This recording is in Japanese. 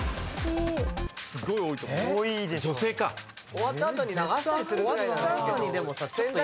終わった後に流したりするぐらいなら。